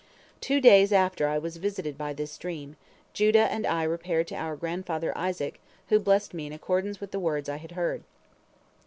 "Two days after I was visited by this dream, Judah and I repaired to our grandfather Isaac, who blessed me in accordance with the words I had heard.